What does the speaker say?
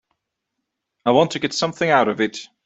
I want to get something out of it.